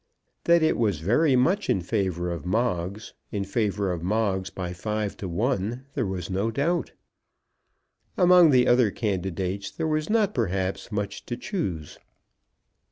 That it was very much in favour of Moggs, in favour of Moggs by five to one, there was no doubt. Among the other candidates there was not perhaps much to choose.